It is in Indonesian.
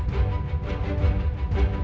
aku disini rati